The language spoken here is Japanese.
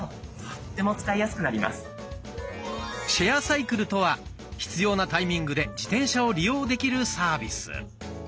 シェアサイクルとは必要なタイミングで自転車を利用できるサービス。